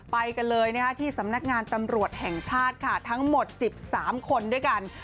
ไปกันเลยที่สำนักงานตำรวจแห่งชาติค่ะทั้งหมด๑๓คนด้วยกัน